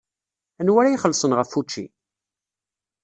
Anwa ara ixellṣen ɣef wučči?